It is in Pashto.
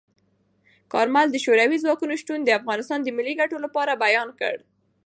کارمل د شوروي ځواکونو شتون د افغانستان د ملي ګټو لپاره بیان کړ.